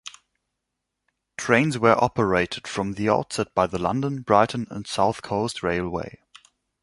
Trains were operated from the outset by the London, Brighton and South Coast Railway.